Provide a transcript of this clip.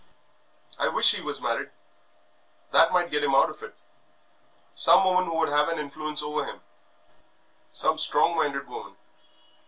I wish he was married, that might get him out of it. Some woman who would have an influence over him, some strong minded woman.